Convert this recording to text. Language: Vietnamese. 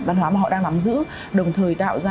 văn hóa mà họ đang nắm giữ đồng thời tạo ra